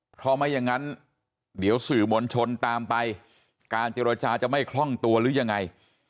เพราะไม่อย่างนั้นเดี๋ยวสื่อมวลชนตามไปการเจรจาจะไม่คล่องตัวหรือยังไง